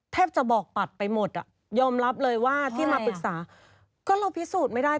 แทบจะบอกปัดไปหมดยมรับเลยว่าที่มาปรึกษา